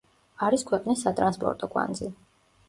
არის ქვეყნის სატრანსპორტო კვანძი.